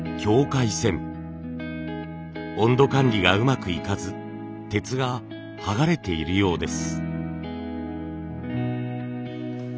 温度管理がうまくいかず鉄が剥がれているようです。